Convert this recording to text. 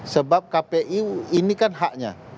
sebab kpu ini kan haknya